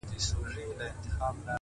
نور دي نو شېخاني كيسې نه كوي;